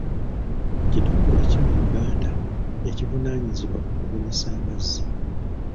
Kitongole ki mu Uganda ekivunaanyizibwa ku kubunyisa amazzi?